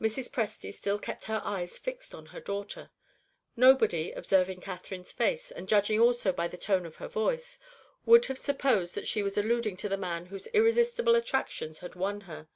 Mrs. Presty still kept her eyes fixed on her daughter. Nobody, observing Catherine's face, and judging also by the tone of her voice, would have supposed that she was alluding to the man whose irresistible attractions had won her.